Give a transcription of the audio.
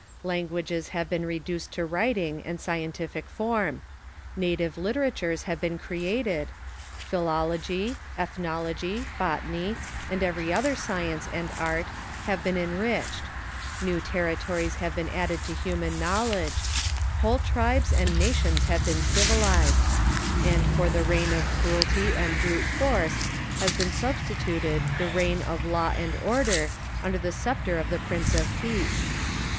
Lan guages have been reduced to Avriting and scientific form ; na tive literatures have been created ; philology, ethnology, botany, and every other science and art, have been enriched ; new ter ritories have been added to human knowledge ; whole tribes and nations have been civilized ; and for the reign of cruelty and brute force has been substituted the reign of law and order under the sceptre of the Prince of Peace.